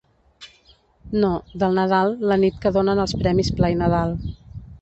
No, del Nadal, la nit que donen els premis Pla i Nadal.